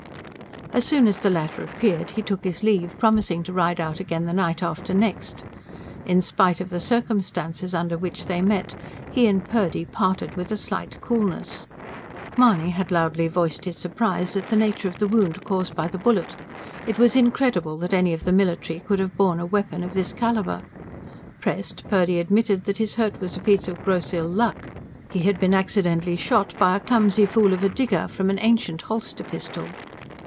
As soon as the latter appeared he took his leave, promising to ride out again the night after next. In spite of the circumstances under which they met, he and Purdy parted with a slight coolness. Mahony had loudly voiced his surprise at the nature of the wound caused by the bullet: it was incredible that any of the military could have borne a weapon of this calibre. Pressed, Purdy admitted that his hurt was a piece of gross ill luck: he had been accidentally shot by a clumsy fool of a digger, from an ancient holster pistol.